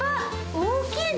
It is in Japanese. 大きいね。